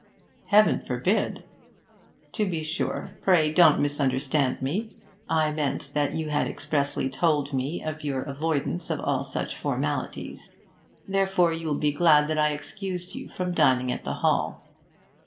'Heaven forbid!' 'To be sure pray don't misunderstand me. I meant that you had expressly told me of your avoidance of all such formalities. Therefore you will be glad that I excused you from dining at the Hall.'